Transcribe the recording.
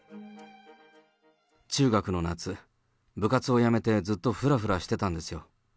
中学の夏、部活をやめてずっとふらふらしてたんですよ。